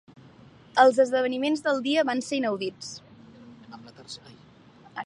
Els esdeveniments del dia van ser inaudits.